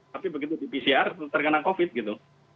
tapi begitu di pcr terkena covid gitu